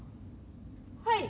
はい。